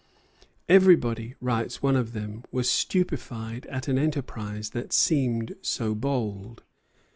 "Everybody," writes one of them, "was stupefied at an enterprise that seemed so bold."